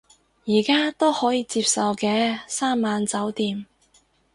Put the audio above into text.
而家都可以接受嘅，三晚酒店